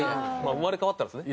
生まれ変わったらですね。